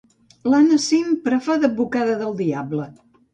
L'Anna sempre fa d'advocada del diable.